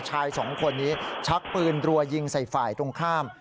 ชายสองคนนี้ชักปืนรัวยิงใส่ฝ่ายตรงข้าม